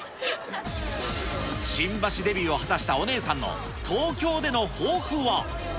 新橋デビューを果たしたお姉さんの、東京での抱負は。